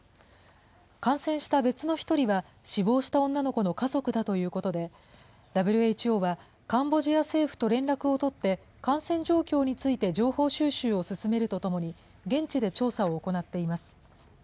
感染した別の１人は死亡した女の子の家族だということで、ＷＨＯはカンボジア政府と連絡を取って感染状況について情報収集を進めるとともに現地で調査を行っています。